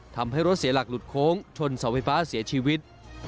ทำให้รถเสียหลักหลุดโค้งชนเสาไฟฟ้าเสียชีวิต